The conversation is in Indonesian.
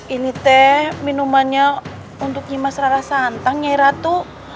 ini teh minumannya untuk nyima serara santang nyai ratu